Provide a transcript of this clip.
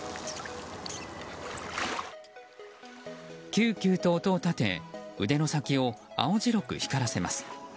キューキューと音を立て腕の先を青白く光らせます。